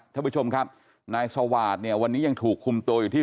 ท่านผู้ชมครับนายสวาสตร์เนี่ยวันนี้ยังถูกคุมตัวอยู่ที่